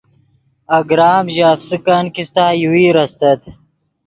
اگرام ژے افسکن کیستہ یوویر استت